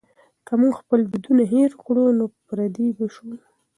که موږ خپل دودونه هېر کړو نو پردي به شو.